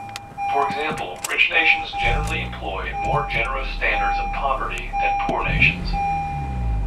For example, rich nations generally employ more generous standards of poverty than poor nations.